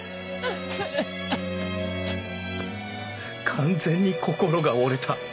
完全に心が折れた。